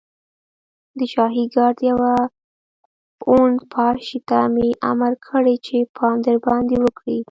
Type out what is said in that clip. د شاهي ګارډ يوه اون باشي ته مې امر کړی چې پام درباندې وکړي.